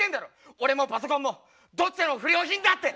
俺もパソコンもどっちも不良品だって。